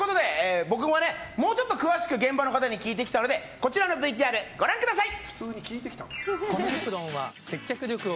僕ももうちょっと詳しく現場の方に聞いてきたのでこちらのＶＴＲ、ご覧ください。